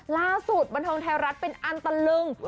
ล่าสุดบรรทงธรรมรัฐเป็นอันตรรึง